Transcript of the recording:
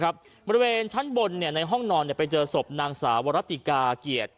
บริเวณชั้นบนในห้องนอนไปเจอศพนางสาววรติกาเกียรติ